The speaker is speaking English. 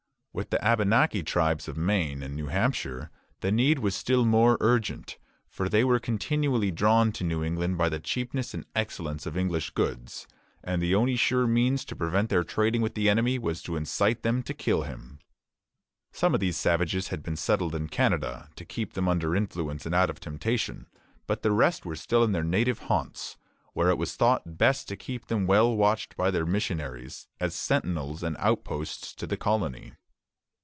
With the Abenaki tribes of Maine and New Hampshire the need was still more urgent, for they were continually drawn to New England by the cheapness and excellence of English goods; and the only sure means to prevent their trading with the enemy was to incite them to kill him. Some of these savages had been settled in Canada, to keep them under influence and out of temptation; but the rest were still in their native haunts, where it was thought best to keep them well watched by their missionaries, as sentinels and outposts to the colony.